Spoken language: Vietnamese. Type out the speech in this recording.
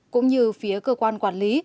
cũng như phía cơ quan quản lý